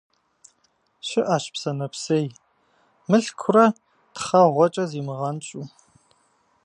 Щыӏэщ псэ нэпсей, мылъкурэ тхъэгъуэкӏэ зимыгъэнщӏу.